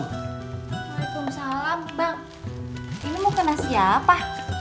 waalaikumsalam bang ini mau kena siapa